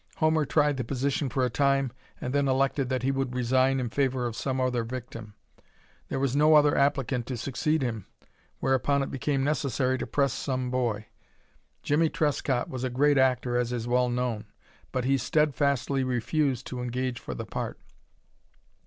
Homer tried the position for a time, and then elected that he would resign in favor of some other victim. There was no other applicant to succeed him, whereupon it became necessary to press some boy. Jimmie Trescott was a great actor, as is well known, but he steadfastly refused to engage for the part.